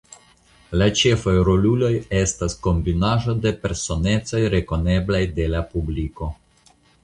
La ĉefaj roluloj estas kombinaĵo de personecoj rekoneblaj de la publiko.